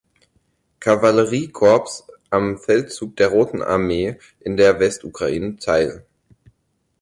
Kavalleriekorps am Feldzug der Roten Armee in der Westukraine teil.